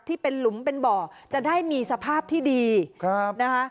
ที่เป็นหลุมเป็นบ่อจะได้มีสภาพที่ดีครับนะคะ